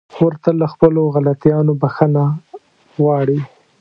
خور تل له خپلو غلطيانو بخښنه غواړي.